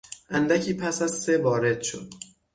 اندکی پس از سه وارد شد.